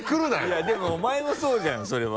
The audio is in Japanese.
いやでもお前もそうじゃんそれは。